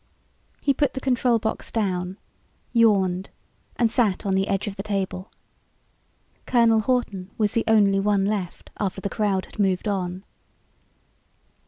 He put the control box down, yawned and sat on the edge of the table. Colonel Hawton was the only one left after the crowd had moved on.